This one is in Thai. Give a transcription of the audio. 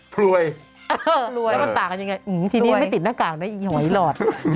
พลวยแล้วมันตากันยังไงอื้อทีนี้ยังไม่ติดหน้ากากนะไอ้หวัยหลอด